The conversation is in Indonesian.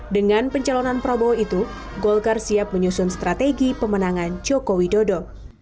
dengan pencalonan prabowo itu golkar siap menyusun strategi pemenangan joko widodo